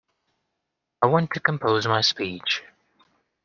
I want to compose my speech.